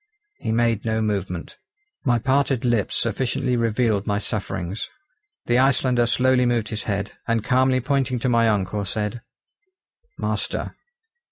He made no movement. My parted lips sufficiently revealed my sufferings. The Icelander slowly moved his head, and calmly pointing to my uncle said: "Master."